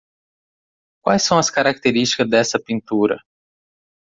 Quais são as característivas dessa pintura.